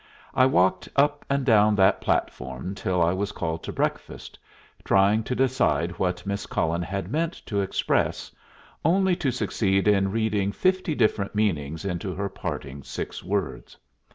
I walked up and down that platform till I was called to breakfast, trying to decide what Miss Cullen had meant to express, only to succeed in reading fifty different meanings into her parting six words.